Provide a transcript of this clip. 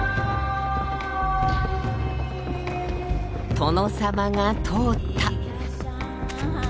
殿様が通った。